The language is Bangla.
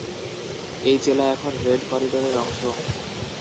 এই জেলা এখন রেড করিডোরের অংশ।